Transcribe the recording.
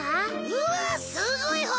うわすごい本！